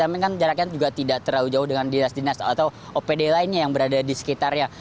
tapi kan jaraknya juga tidak terlalu jauh dengan dinas dinas atau opd lainnya yang berada di sekitarnya